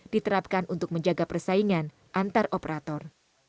diterapkan untuk menjaga persaingan antar operator